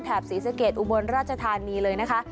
ศรีสะเกดอุบลราชธานีเลยนะคะ